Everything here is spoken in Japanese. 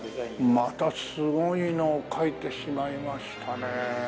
またすごいのを描いてしまいましたね。